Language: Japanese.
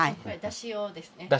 だし用ですね。